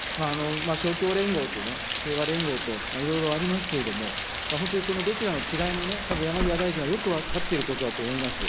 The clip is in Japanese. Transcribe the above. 勝共連合とね、平和連合と、いろいろありますけれども、本当にそのどちらの違いもね、たぶん山際大臣はよく分かっていることだと思います。